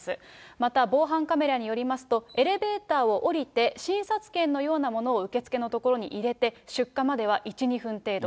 また、防犯カメラによりますと、エレベーターを降りて診察券のようなものを受付の所に入れて、出火までは１、２分程度。